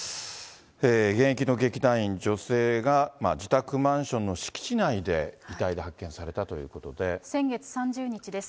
現役の劇団員女性が、自宅マンションの敷地内で遺体で発見された先月３０日です。